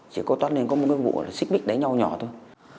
chỉ có toát lên có một cái vụ là xích mít đánh nhau nhỏ thôi